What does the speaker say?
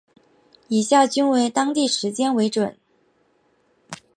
以下均为当地时间为准。